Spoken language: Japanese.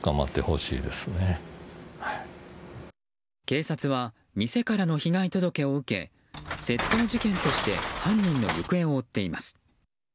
警察は店からの被害届を受け窃盗事件として犯人の行方を追っています。